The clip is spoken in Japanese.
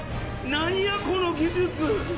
何やこの技術？